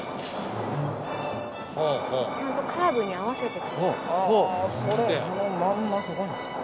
ちゃんとカーブに合わせてくる。